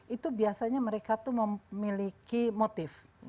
itu biasanya mereka tuh memiliki motif